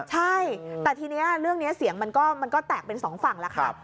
ใช่แต่ทีนี้เรื่องนี้เสียงมันก็แตกเป็นสองฝั่งแล้วค่ะ